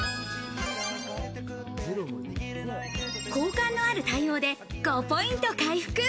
好感のある対応で５ポイント回復。